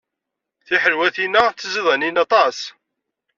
Tiḥelwatin-a d tiẓidanin aṭas.